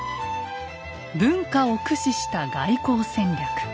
文化を駆使した外交戦略。